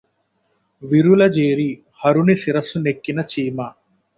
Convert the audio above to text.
విరుల జేరి హరుని శిరసు నెక్కిన చీమ